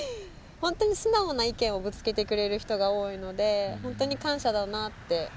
ほんとに素直な意見をぶつけてくれる人が多いのでほんとに感謝だなって。